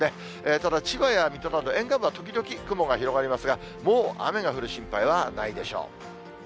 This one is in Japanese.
ただ、千葉や水戸など、沿岸部は時々、雲が広がりますが、もう雨が降る心配はないでしょう。